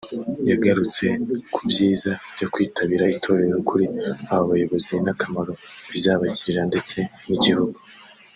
yagarutse ku byiza byo kwitabira itorero kuri aba bayobozi n’akamaro bizabagirira ndetse n’igihugu